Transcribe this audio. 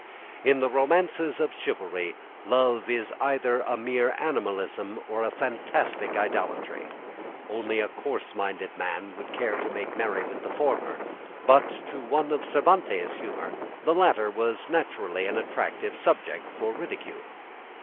In the romances of chivalry love is either a mere animalism or a fantastic idolatry. Only a coarse minded man would care to make merry with the former, but to one of Cervantes' humour the latter was naturally an attractive subject for ridicule.